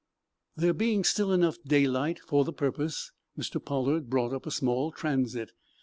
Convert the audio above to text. There being still enough daylight for the purpose, Mr. Pollard brought up a small transit.